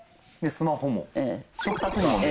スマホも？